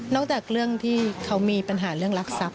จากเรื่องที่เขามีปัญหาเรื่องรักทรัพย